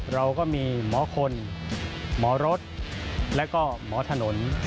เราก็มีหมอคนหมอรถและก็หมอถนน